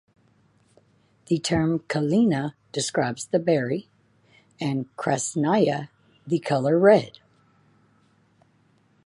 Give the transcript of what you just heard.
The term "kalina" describes the berry and "krasnaya" the color red.